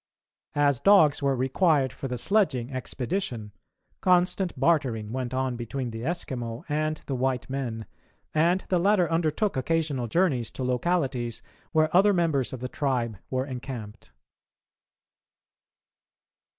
As dogs were required for the sledging expedition, constant bartering went on between the Eskimo and the white men, and the latter undertook occasional journeys to localities where other members of the tribe were encamped.